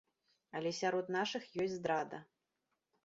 Але сярод нашых ёсць здрада.